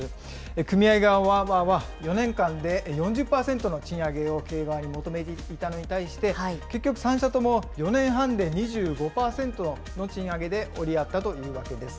組合側は４年間で４０％の賃上げを経営側に求めていたのに対して、結局、３社とも４年半で２５％の賃上げで折り合ったというわけです。